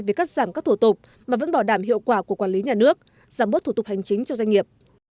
về cắt giảm các thủ tục mà vẫn bảo đảm hiệu quả của quản lý nhà nước giảm bớt thủ tục hành chính cho doanh nghiệp